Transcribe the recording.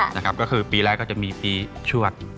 นะครับก็คือปีแรกก็จะมีปีชวด